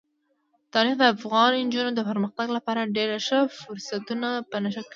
تاریخ د افغان نجونو د پرمختګ لپاره ډېر ښه فرصتونه په نښه کوي.